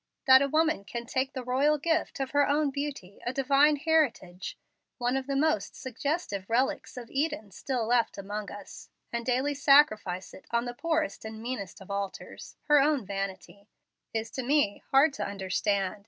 That a woman can take the royal gift of her own beauty, a divine heritage, one of the most suggestive relics of Eden still left among us, and daily sacrifice it on the poorest and meanest of altars her own vanity is to me hard to understand.